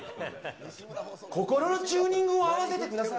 心のチューニングを合わせてください。